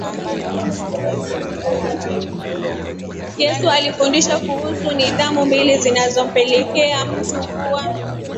Yesu alifundisha kuhusu nidhamu mbili zinazompelekea mtu kuwa